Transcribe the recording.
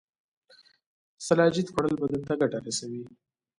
سلاجید خوړل بدن ته ګټه رسوي